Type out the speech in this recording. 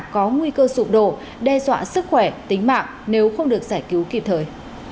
có nguy cơ sụp đổ đe dọa sức khỏe tính mạng nếu không được giải cứu kịp thời